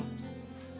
ya udah kita berdua